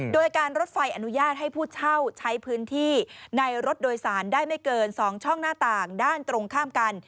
โดยการรถไฟอนุญาตให้ผู้เช่าใช้พื้นที่ในรถโดยสารได้ไม่เกิน๒ช่องหน้าต่างด้านตรงข้ามกัน